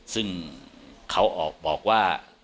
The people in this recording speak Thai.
ซึ่งเขาออกบอกว่า